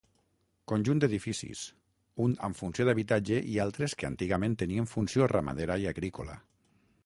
Conjunt d'edificis: un amb funció d'habitatge i altres que antigament tenien funció ramadera i agrícola.